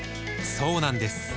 そうなんです